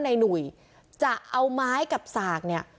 หนุ่ยจะเอาไม้กับสากเนี่ย